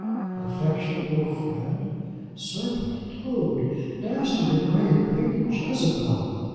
Affectionate old friend! Serpent! Toad! Nasty degraded painted Jezebel!